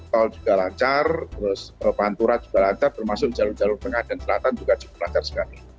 tol juga lancar terus pantura juga lancar termasuk jalur jalur tengah dan selatan juga cukup lancar sekali